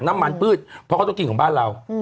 น้ำมันพืชเพราะเขาต้องกินของบ้านเรา